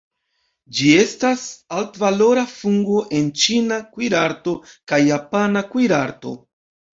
Ĝi estas altvalora fungo en ĉina kuirarto kaj japana kuirarto.